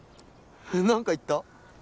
何か言った？